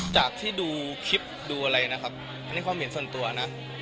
จากที่ดูคลิปดูอะไรนะครับอันนี้ความเห็นส่วนตัวนะ